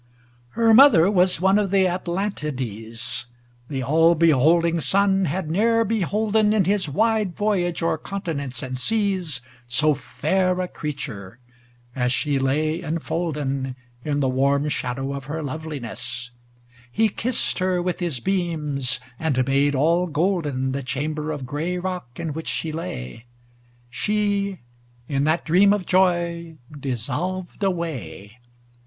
II Her mother was one of the Atlantides ; The all beholding Sun had ne'er beholden In his wide voyage o'er continents and seas So fair a creature, as she lay enfolden In the warm shadow of her loveliness; He kissed her with his beams, and made all golden The chamber of gray rock in which she lay; She, in that dream of joy, dissolved away.